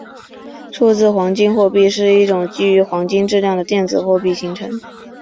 数字黄金货币是一种基于黄金质量的电子货币形式。